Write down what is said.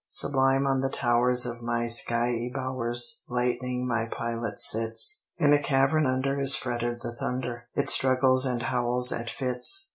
Sublime on the towers of my skiey bowers Lightning my pilot sits; In a cavern under is fettered the thunder, It struggles and howls at fits.